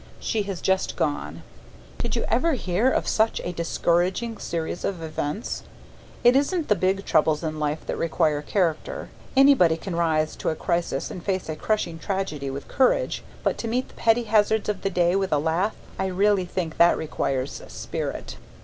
She has just gone. Did you ever hear of such a discouraging series of events? It isn't the big troubles in life that require character. Anybody can rise to a crisis and face a crushing tragedy with courage, but to meet the petty hazards of the day with a laugh I really think that requires SPIRIT.